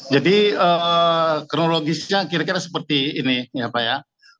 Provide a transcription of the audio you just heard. jadi kronologisnya kira kira seperti ini ya pak ya